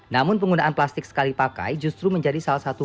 namun penggunaan plastik sekali pakai justru menjadi salah satu